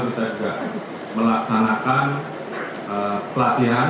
kita juga melaksanakan pelatihan